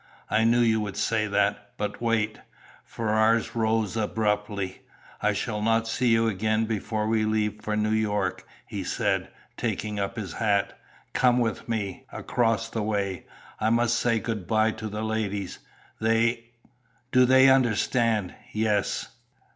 "I knew you would say that. But wait." Ferrars rose abruptly. "I shall not see you again before we leave for New York," he said, taking up his hat. "Come with me across the way, I must say good bye to the ladies; they " "Do they understand?" "Yes."